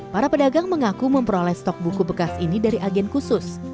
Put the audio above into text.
para pedagang mengaku memperoleh stok buku bekas ini dari agen khusus